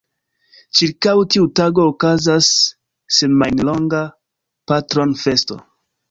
Ĉirkaŭ tiu tago okazas semajnlonga patronfesto.